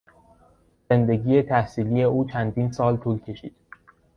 زندگی تحصیلی او چندین سال طول کشید.